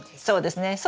そうですね。